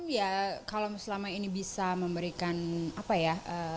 ya kalau selama ini bisa memberikan apa ya